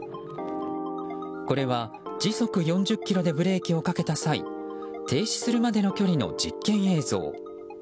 これは時速４０キロでブレーキをかけた際停止するまでの距離の実験映像。